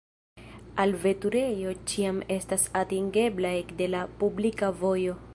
Alveturejo ĉiam estas atingebla ekde la publika vojo.